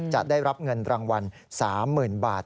จะได้รับเงินรางวัล๓๐๐๐บาท